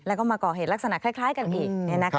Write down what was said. แล้วก็มาก่อเหตุลักษณะคล้ายกันอีก